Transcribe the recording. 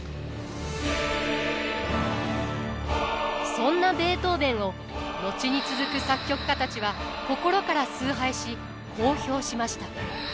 そんなベートーヴェンを後に続く作曲家たちは心から崇拝しこう評しました。